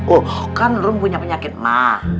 oh kan rum punya penyakit mah